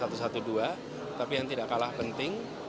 satu ratus dua belas tapi yang tidak kalah penting